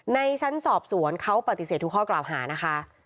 ในชั้นสอบสวนเขาปฏิเสธทุกข้อกล่าวหานะคะ